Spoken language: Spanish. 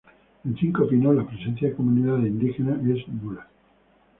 En Cinco Pinos la presencia de comunidades indígenas es nula.